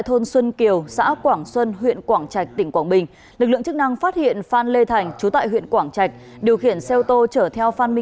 tôi cũng hy vọng rằng là một cái sự đồng hành